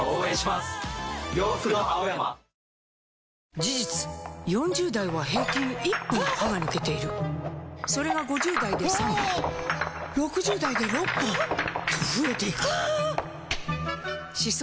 事実４０代は平均１本歯が抜けているそれが５０代で３本６０代で６本と増えていく歯槽